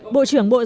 bộ trưởng bộ nội vụ